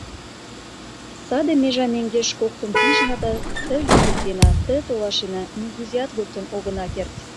Саде межа меҥгеш коктын пижна да ты лӱҥгыктена, ты толашена — нигузеат луктын огына керт.